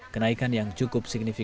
kenaikan yang cukup signifikan